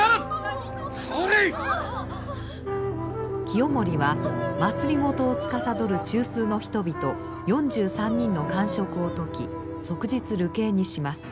清盛は政をつかさどる中枢の人々４３人の官職を解き即日流刑にします。